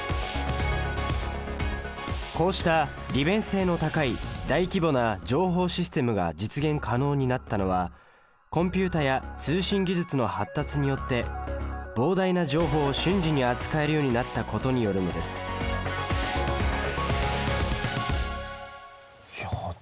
こうした利便性の高い大規模な情報システムが実現可能になったのはコンピュータや通信技術の発達によって膨大な情報を瞬時に扱えるようになったことによるのです情報システム